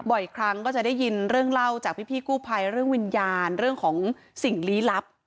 บ่อยครั้งก็จะได้ยินเรื่องเล่าจากพี่กู้ภัยเรื่องวิญญาณเรื่องของสิ่งลี้ลับ